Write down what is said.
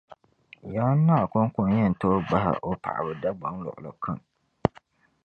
Yaan Naa koŋko n-yɛn tooi gbahi o paɣaba dagbaŋ luɣilikam